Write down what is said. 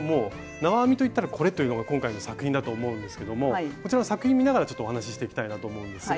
縄編みといったらこれというのが今回の作品だと思うんですけどもこちらの作品見ながらちょっとお話ししていきたいなと思うんですが。